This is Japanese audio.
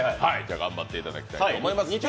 頑張っていただきたいと思います。